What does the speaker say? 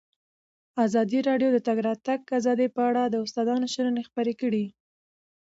ازادي راډیو د د تګ راتګ ازادي په اړه د استادانو شننې خپرې کړي.